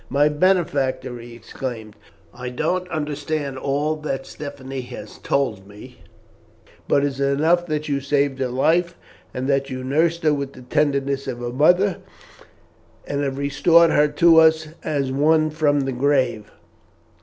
"My benefactor!" he exclaimed, "I don't understand all that Stephanie has told me, but it is enough that you saved her life, and that you nursed her with the tenderness of a mother, and have restored her to us as one from the grave.